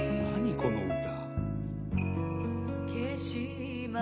この歌」